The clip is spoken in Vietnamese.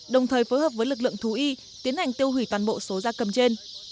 đồng thời phối hợp với lực lượng thú y tiến hành tiêu hủy toàn bộ số gia cầm trên